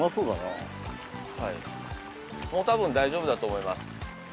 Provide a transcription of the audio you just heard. もう多分大丈夫だと思います。